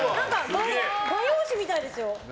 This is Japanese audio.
画用紙みたいですよ。